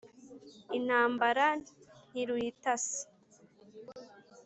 Intambara ntiruyitasi